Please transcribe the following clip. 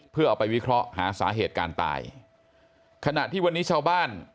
เพื่อเอาไปวิเคราะห์หาสาเหตุการตายขณะที่วันนี้ชาวบ้าน